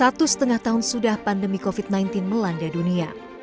satu setengah tahun sudah pandemi covid sembilan belas melanda dunia